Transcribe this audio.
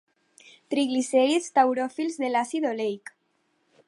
Triglicèrids tauròfils de l'àcid oleic.